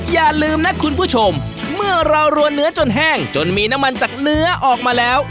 อย่าลืมนะคุณผู้ชมเมื่อเรารัวเนื้อจนแห้งจนมีน้ำมันจากเนื้อออกมาแล้ว